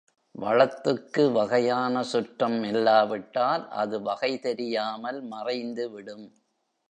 வளத்துக்கு வகையான சுற்றம் இல்லா விட்டால் அது வகைதெரியாமல் மறைந்துவிடும்.